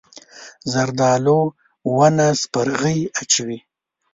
زردالو ونه سپرغۍ اچوي.